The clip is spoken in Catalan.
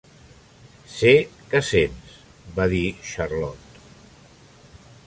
""Sé què sents," va dir Charlotte.